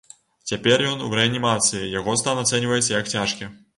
Цяпер ён у рэанімацыі, яго стан ацэньваецца як цяжкі.